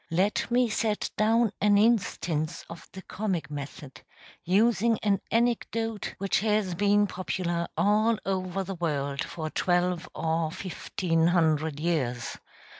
Let me set down an instance of the comic method, using an anecdote which has been popular all over the world for twelve or fifteen hundred years.